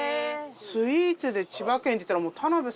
スイーツで千葉県っていったらもう田辺さん